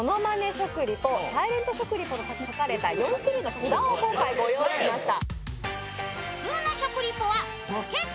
食リポ、サイレント食リポと書かれた４種類の札を今回、ご用意しました。